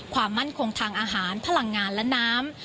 ความมั่นคงทางอาหารพลังงานและน้ำ